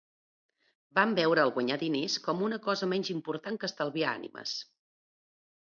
Van veure el guanyar diners com a una cosa menys important que estalviar ànimes.